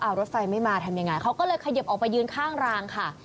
เอารถไฟไม่มาทำยังไงเขาก็เลยขยิบออกไปยืนข้างรางค่ะ